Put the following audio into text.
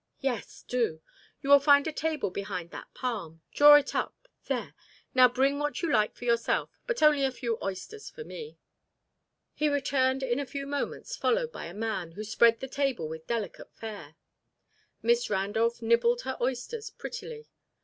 "Yes do. You will find a table behind that palm. Draw it up. There. Now bring what you like for yourself, but only a few oysters for me." He returned in a few moments followed by a man, who spread the table with delicate fare. Miss Randolph nibbled her oysters prettily.